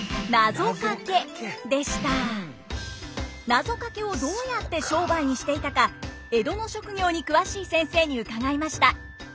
なぞかけをどうやって商売にしていたか江戸の職業に詳しい先生に伺いました。